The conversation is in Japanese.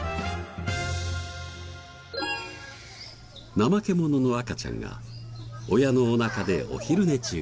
ナマケモノの赤ちゃんが親のお腹でお昼寝中。